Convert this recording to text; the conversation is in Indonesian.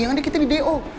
yang ada kita di do